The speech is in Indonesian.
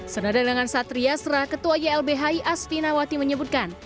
senada dengan setri asra ketua ylbhi asfinawati menyebutkan